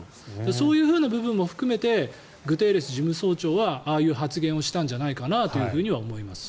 そういうふうな部分も含めてグテーレス事務総長はああいう発言をしたんじゃないかなとは思います。